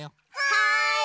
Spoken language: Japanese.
はい！